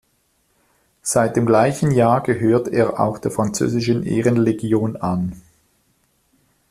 Seit dem gleichen Jahr gehört er auch der französischen Ehrenlegion an.